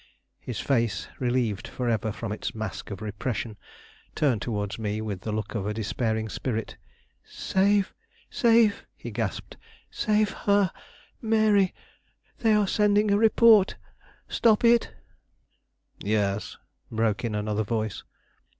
His face, relieved forever from its mask of repression, turned towards me with the look of a despairing spirit. "Save! save!" he gasped. "Save her Mary they are sending a report stop it!" "Yes," broke in another voice.